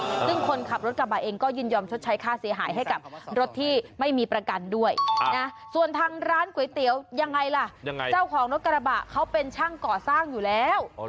ซึ่งคนขับรถกระบะเองก็ยินยอมชดใช้ค่าเสียหายให้กับรถที่ไม่มีประกันด้วยนะส่วนทางร้านก๋วยเตี๋ยวยังไงล่ะยังไงเจ้าของรถกระบะเขาเป็นช่างก่อสร้างอยู่แล้ว